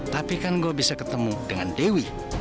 tapi kan gue bisa ketemu dengan dewi